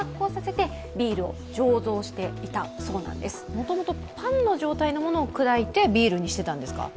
もともとパンの状態のものを砕いてビールにしていたんですか？